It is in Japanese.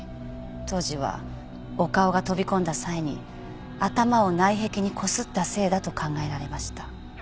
当時は岡尾が飛び込んだ際に頭を内壁にこすったせいだと考えられました。